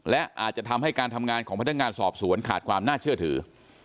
และอาจจะทำให้การทำงานของพนักงานสอบสวนขาดความน่าเชื่อถือ